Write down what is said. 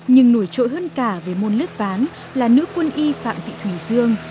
nhưng nổi trội hơn cả về môn lứt ván là nữ quân y phạm vị thủy dương